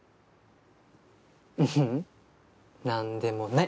ううん何でもない。